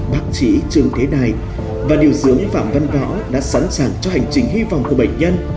bác sĩ trương thế đài và điều dưỡng phạm văn võ đã sẵn sàng cho hành trình hy vọng của bệnh nhân